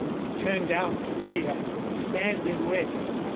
It turned out to be a sandy waste.